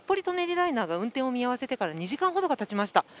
舎人ライナーが運転を見合わせてから２時間ほどがたちました。